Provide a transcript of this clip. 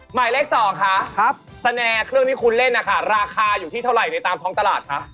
หมายเลข๒คะสแนเครื่องที่คุณเล่นนะคะราคาอยู่ที่เท่าไหร่ในตามท้องตลาดคะ